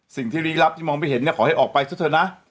สิ่งที่เลี้ยงลับที่มองไม่เห็นเนี่ยขอให้ออกไปเสียเถอะนะ